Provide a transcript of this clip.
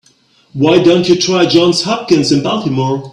Why don't you try Johns Hopkins in Baltimore?